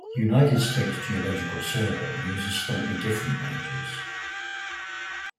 The United States Geological Survey uses slightly different ranges.